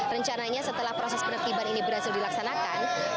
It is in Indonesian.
rencananya setelah proses penertiban ini berhasil dilaksanakan